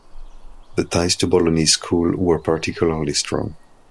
The ties to Bolognese School were particularly strong.